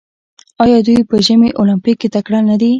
آیا دوی په ژمني المپیک کې تکړه نه دي؟